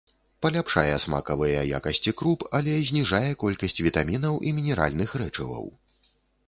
Паляпшае смакавыя якасці круп, але зніжае колькасць вітамінаў і мінеральных рэчываў.